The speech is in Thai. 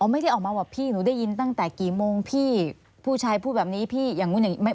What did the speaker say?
ไม่ได้ออกมาว่าพี่หนูได้ยินตั้งแต่กี่โมงพี่ผู้ชายพูดแบบนี้พี่อย่างนู้นอย่างนี้